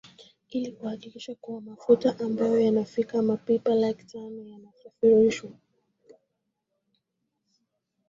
ili kuahakikisha kuwa mafuta ambayo yanafika mapipa laki tano nayasafirishwa